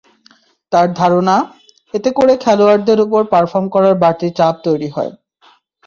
তাঁর ধারণা, এতে করে খেলোয়াড়দের ওপর পারফর্ম করার বাড়তি চাপ তৈরি হয়।